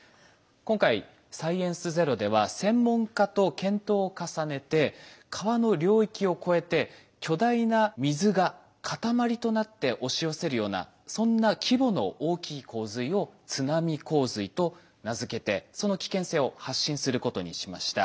今回「サイエンスＺＥＲＯ」では専門家と検討を重ねて川の領域を超えて巨大な水が塊となって押し寄せるようなそんな規模の大きい洪水を津波洪水と名付けてその危険性を発信することにしました。